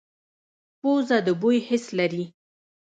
پوزه د بوی حس لري